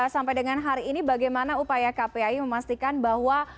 sampai dengan hari ini bagaimana upaya kpai memastikan bahwa